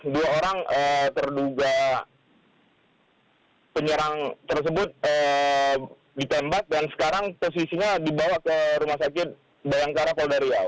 dua orang terduga penyerang tersebut ditembak dan sekarang posisinya dibawa ke rumah sakit bayangkara polda riau